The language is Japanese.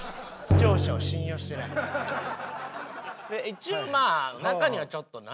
一応まあ中にはちょっと「何？